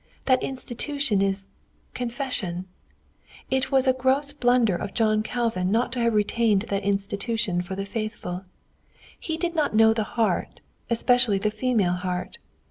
That institution is confession. It was a gross blunder of John Calvin not to have retained that institution for the faithful. He did not know the heart, especially the female heart.